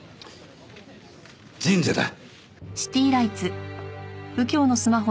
神社だ。